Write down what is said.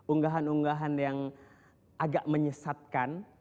unggahan unggahan yang agak menyesatkan